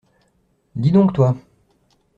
Dis donc, toi.